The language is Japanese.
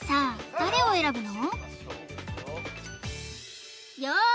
誰を選ぶの？